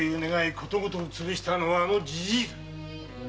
ことごとく潰したのはあのじじいだ！